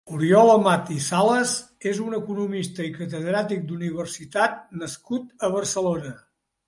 Oriol Amat i Salas és un economista i catedràtic d'universitat nascut a Barcelona.